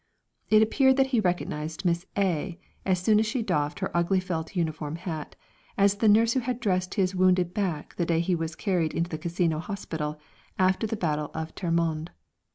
It appeared he recognised Miss A , as soon as she doffed her ugly felt uniform hat, as the nurse who had dressed his wounded back the day he was carried into the Casino hospital after the Battle of Termonde.